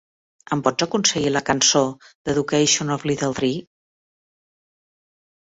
Em pots aconseguir la cançó "The Education of Little Tree"?